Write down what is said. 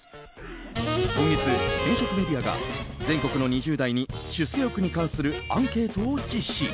今月、転職メディアが全国の２０代に出世欲に関するアンケートを実施。